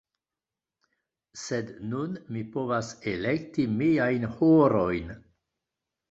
Sed nun mi povas elekti miajn horojn.